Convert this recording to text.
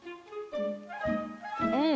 うん。